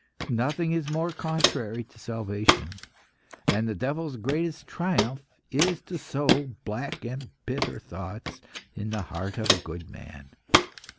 Nothing is more contrary to salvation, and the devil's greatest triumph is to sow black and bitter thoughts in the heart of a good man.